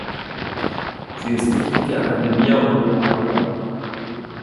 Sie ist Mitglied der Academia Europaea.